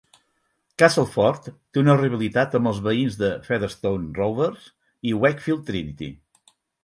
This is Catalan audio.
Castleford té una rivalitat amb els veïns de Featherstone Rovers i Wakefield Trinity.